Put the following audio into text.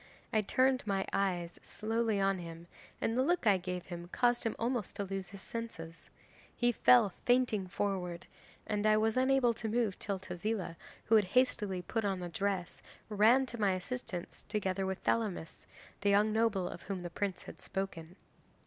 I turned my eyes slowly on him, and the look I gave him caused him almost to lose his senses. He fell fainting forward, and I was unable to move till Tezila, who had hastily put on a dress, ran to my assistance together with Thelamis, the young noble of whom the Prince had spoken.